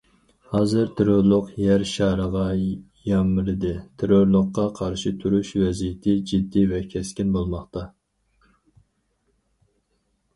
ھازىر، تېررورلۇق يەر شارىغا يامرىدى تېررورلۇققا قارشى تۇرۇش ۋەزىيىتى جىددىي ۋە كەسكىن بولماقتا.